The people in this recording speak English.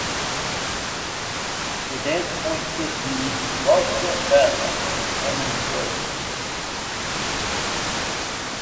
The dance-point system uses raw step values to determine the grade.